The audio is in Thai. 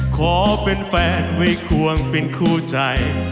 ขอเป็นแฟนไว้ควงเป็นคู่ใจ